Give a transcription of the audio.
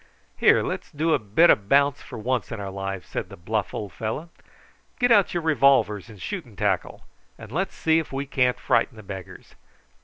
"Here, let's do a bit o' bounce for once in our lives," said the bluff old fellow. "Get out your revolvers and shooting tackle, and let's see if we can't frighten the beggars.